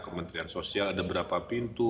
kementerian sosial ada berapa pintu